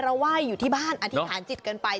ไหว้อยู่ที่บ้านอธิษฐานจิตกันไป